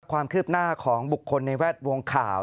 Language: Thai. ความคืบหน้าของบุคคลในแวดวงข่าว